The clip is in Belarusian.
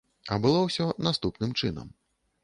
А было ўсё наступным чынам.